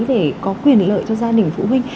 để có quyền lợi cho gia đình phụ huynh